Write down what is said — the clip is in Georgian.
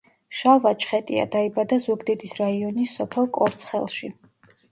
შალვა ჩხეტია დაიბადა ზუგდიდის რაიონის სოფელ კორცხელში.